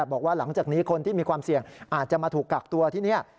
บอกว่าหลังจากนี้คนที่มีความเสี่ยงอาจจะมาถูกกักตัวที่นี่